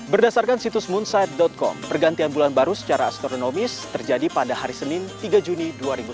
berdasarkan situs moonsight com pergantian bulan baru secara astronomis terjadi pada hari senin tiga juni dua ribu sembilan belas